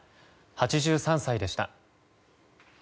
８３歳でした。